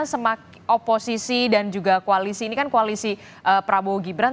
semak oposisi dan juga koalisi ini kan koalisi prabowo gibran